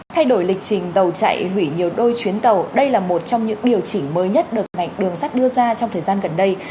thay đổi lịch trình tàu chạy hủy nhiều đôi chuyến tàu đây là một trong những điều chỉnh mới nhất được ngành đường sắt đưa ra trong thời gian gần đây